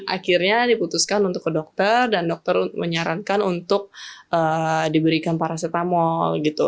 akhirnya diputuskan untuk ke dokter dan dokter menyarankan untuk diberikan paracetamol gitu